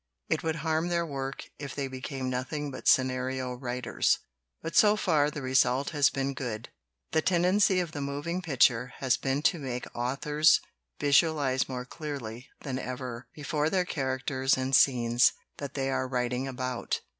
"It would harm their work if they be came nothing but scenario writers. But so far the result has been good. "The tendency of the moving picture has been to make authors visualize more clearly than ever before their characters and scenes that they are writing about.